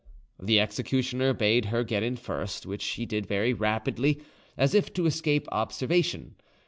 The executioner bade her get in first, which she did very rapidly, as if to escape observation.